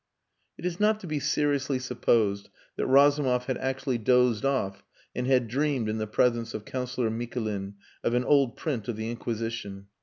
It is not to be seriously supposed that Razumov had actually dozed off and had dreamed in the presence of Councillor Mikulin, of an old print of the Inquisition.